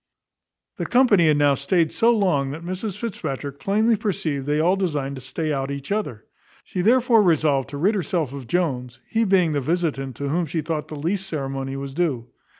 The company had now staid so long, that Mrs Fitzpatrick plainly perceived they all designed to stay out each other. She therefore resolved to rid herself of Jones, he being the visitant to whom she thought the least ceremony was due.